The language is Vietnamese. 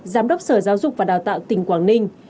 giám đốc sở giáo dục và đào tạo tỉnh quảng ninh